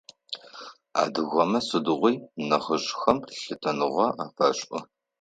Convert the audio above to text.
Адыгэмэ сыдигъуи нахьыжъхэм лъытэныгъэ афашӏы.